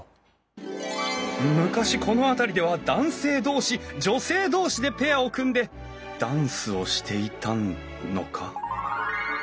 昔この辺りでは男性同士女性同士でペアを組んでダンスをしていたのか？